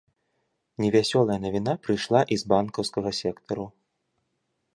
Невясёлая навіна прыйшла і з банкаўскага сектару.